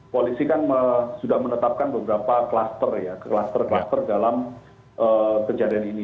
polisi kan sudah menetapkan beberapa klaster ya klaster klaster dalam kejadian ini